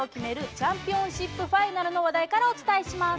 チャンピオンシップファイナルの話題からお伝えします。